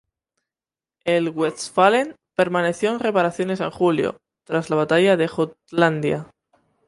El "Westfalen" permaneció en reparaciones en julio, tras la batalla de Jutlandia.